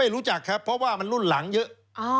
รู้จักครับเพราะว่ามันรุ่นหลังเยอะ